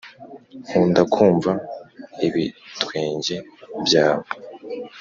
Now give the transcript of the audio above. nkunda kumva ibitwenge byawe